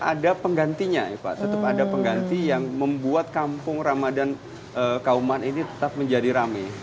ada penggantinya itu ada pengganti yang membuat kampung ramadhan kauman ini tetap menjadi rame